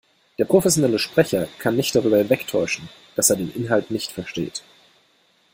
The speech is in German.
Der professionelle Sprecher kann nicht darüber hinwegtäuschen, dass er den Inhalt nicht versteht.